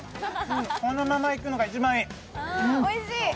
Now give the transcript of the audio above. そのままいくのが一番いい。